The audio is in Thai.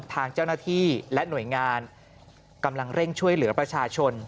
ทางเจ้าหน้าที่และหน่วยงานกำลังเร่งช่วยเหลือประชาชน